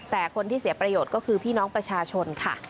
แต่คนที่เสียประโยชน์ก็คือพี่น้องประชาชนค่ะ